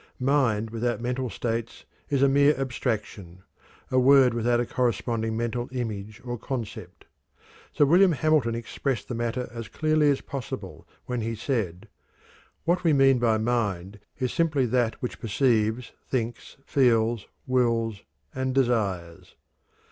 Mind without mental states is a mere abstraction a word without a corresponding mental image or concept. Sir William Hamilton expressed the matter as clearly as possible, when he said: "What we mean by mind is simply that which perceives, thinks, feels, wills, and desires."